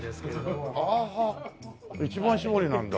ああ一番搾りなんだ。